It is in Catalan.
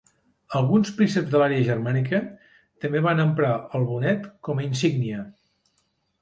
Alguns prínceps de l'àrea germànica també van emprar el bonet com a insígnia.